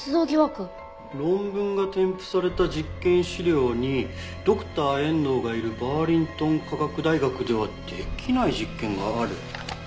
「論文が添付された実験資料にドクター遠藤がいるバーリントン科学大学ではできない実験がある」。